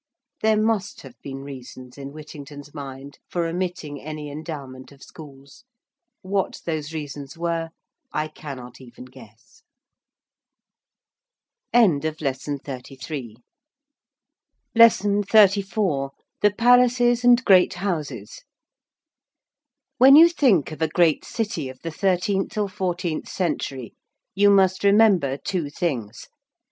There must have been reasons in Whittington's mind for omitting any endowment of schools. What those reasons were I cannot even guess. 34. THE PALACES AND GREAT HOUSES. When you think of a great city of the thirteenth or fourteenth century you must remember two things.